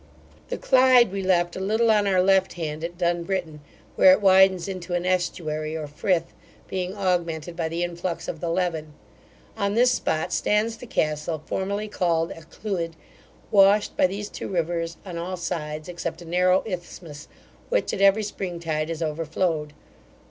The Clyde we left a little on our left hand at Dunbritton, where it widens into an aestuary or frith, being augmented by the influx of the Leven. On this spot stands the castle formerly called Alcluyd, washed, by these two rivers on all sides, except a narrow isthmus, which at every spring tide is overflowed.